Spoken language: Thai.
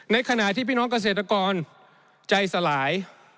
ในขณะที่พี่น้องเกษตรกรใจสลาย